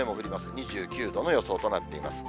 ２９度の予想となっています。